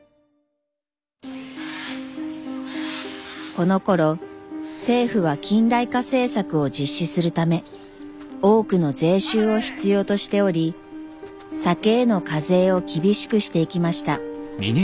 このころ政府は近代化政策を実施するため多くの税収を必要としており酒への課税を厳しくしていきました。